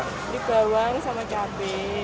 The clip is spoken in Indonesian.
beli bawang sama cabai